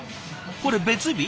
これ別日？